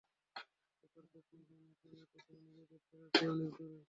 Super cup চ্যাম্পিয়নরা কাল রাতে ছিল নিজেদের সেরার চেয়ে অনেক দূরে।